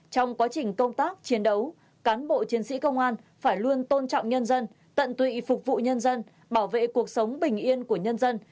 trong quá trình công tác chiến đấu cán bộ chiến sĩ công an phải luôn tôn trọng nhân dân tận tụy phục vụ nhân dân bảo vệ cuộc sống bình yên của nhân dân